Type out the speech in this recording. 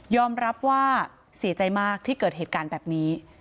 รับว่าเสียใจมากที่เกิดเหตุการณ์แบบนี้